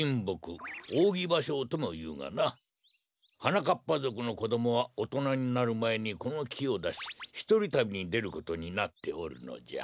はなかっぱぞくのこどもはおとなになるまえにこのきをだしひとりたびにでることになっておるのじゃ。